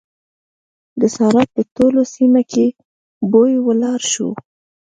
د سارا په ټوله سيمه کې بوی ولاړ شو.